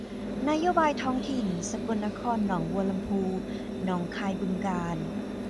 นโยบายท้องถิ่น สกลนครหนองบัวลำภูหนองคายบึงกาฬ